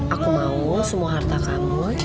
aku mau semua harta kamu